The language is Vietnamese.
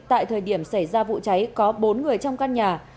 tại thời điểm xảy ra vụ cháy có bốn người trong căn nhà